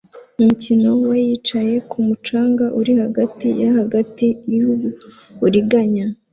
Umukino wa yicaye kumu canga uri hagati hagati yuburiganya